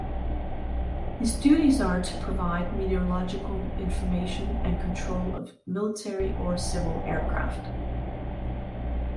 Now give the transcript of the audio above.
His duties are to provide meteorological information and control of military or civil aircraft.